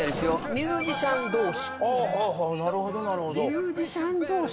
ミュージシャン同士。